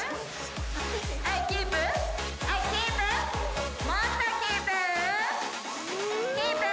はい。